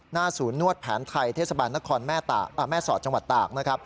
หน้าศูนย์นวดแผนไทยเทศบาลนครแม่สอดจังหวัดตาก